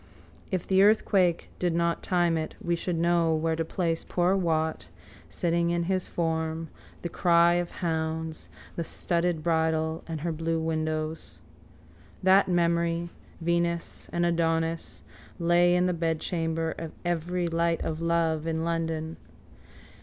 _ If the earthquake did not time it we should know where to place poor Wat, sitting in his form, the cry of hounds, the studded bridle and her blue windows. That memory, Venus and Adonis, lay in the bedchamber of every light of love in London.